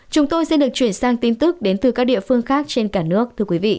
chúng tôi sẽ được chuyển sang tin tức đến từ các địa phương khác trên cả nước